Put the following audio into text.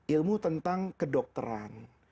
ilmu tentang kedokteran